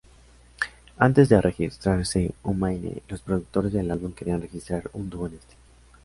Antes de registrarse "Humaine", los productores del álbum querían registrar un dúo en este.